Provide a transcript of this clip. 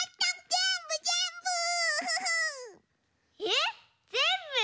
えっぜんぶ？